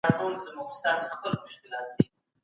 هلته هم بايد فعال اوسو.